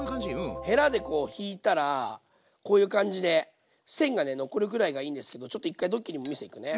でへらでこう引いたらこういう感じで線がね残るくらいがいいんですけどちょっと１回ドッキーにも見せ行くね。